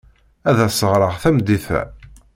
Ad as-ɣreɣ tameddit-a.